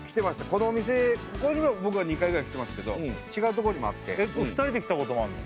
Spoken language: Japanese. ここにも僕は２回ぐらい来てますけど違うとこにもあって２人で来たこともあんの？